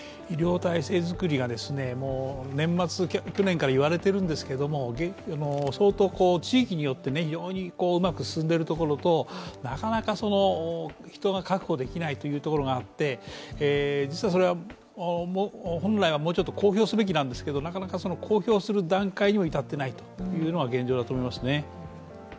医療体制作りは年末、去年からいわれているんですけど相当、地域によって非常にうまく進んでいるところとなかなか人が確保できないというところがあって、実は本来はもうちょっと公表すべきなんですけどなかなか公表する段階にも至っていないというのが現状だと思いますね。